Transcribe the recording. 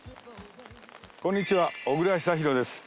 こんにちは小倉久寛です。